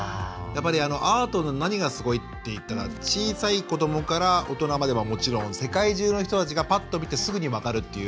アートの何がすごいって小さな子どもから大人までもちろん世界中の人たちが、ぱっと見てすぐに分かるという。